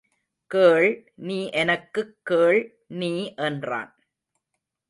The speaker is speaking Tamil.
கேள் நீ எனக்குக் கேள் நீ என்றான்.